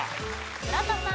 村田さん